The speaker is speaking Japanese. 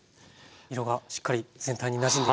色がしっかり全体になじんできましたね。